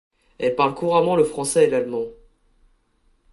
Elle parle couramment le français et l'allemand.